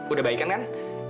udah baik kan kan